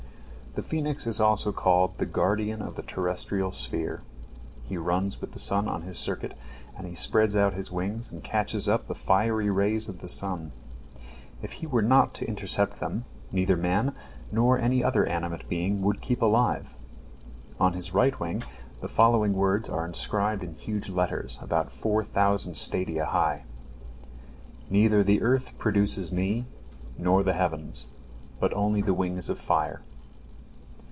The phoenix is also called "the guardian of the terrestrial sphere." He runs with the sun on his circuit, and he spreads out his wings and catches up the fiery rays of the sun. If he were not there to intercept them, neither man nor any other animate being would keep alive. On his right wing the following words are inscribed in huge letters, about four thousand stadia high: "Neither the earth produces me, nor the heavens, but only the wings of fire."